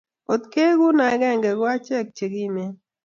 kot keegun akenge ko achek che kimen